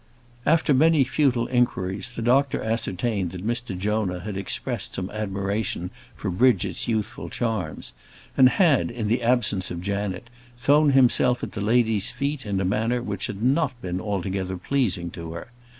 After many futile inquiries, the doctor ascertained that Mr Jonah had expressed some admiration for Bridget's youthful charms, and had, in the absence of Janet, thrown himself at the lady's feet in a manner which had not been altogether pleasing to her.